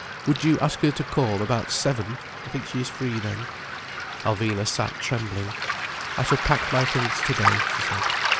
Would you ask her to call about seven—I think she is free then—" Alvina sat trembling. "I shall pack my things today," she said.